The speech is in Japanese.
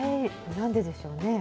なんででしょうね。